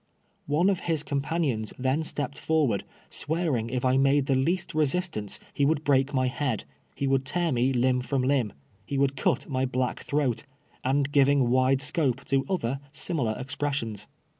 One of his companions then stepped forward, swear ing if I made the least resistance he would break my head — he would tear me limb from limb — he would cut my black throat — and giving wide scope to other similar expressions.